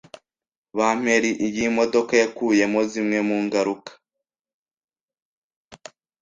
Bamperi yimodoka yakuyemo zimwe mungaruka.